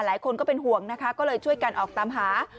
หลายคนก็เป็นห่วงนะคะก็เลยช่วยกันออกตามหา